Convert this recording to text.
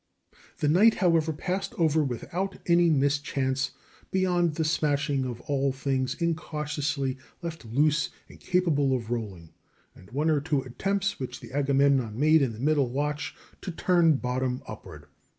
The night, however, passed over without any mischance beyond the smashing of all things incautiously left loose and capable of rolling, and one or two attempts which the Agamemnon made in the middle watch to turn bottom upward.